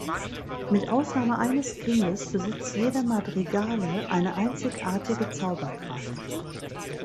Mit Ausnahme eines Kindes besitzt jeder Madrigale eine einzigartige Zauberkraft.